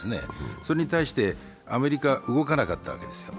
それに対してアメリカは動かなかったわけです。